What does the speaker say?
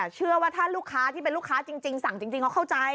เชื่อว่าถ้าลูกค้าที่เป็นลูกค้าจริงสั่งจริงเขาเข้าใจ